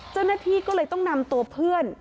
เจ้าหน้าที่ก็เลยต้องนำตัวเพื่อน